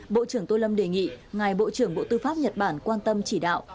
bộ trưởng tô lâm đề nghị ngài bộ trưởng bộ tư pháp nhật bản quan tâm chỉ đạo